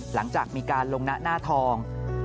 หลังจากมีการลงหน้าทอง